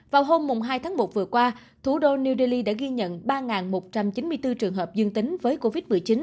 vào hôm hai tháng một vừa qua thủ đô new delhi đã ghi nhận ba một trăm chín mươi bốn trường hợp dương tính với covid một mươi chín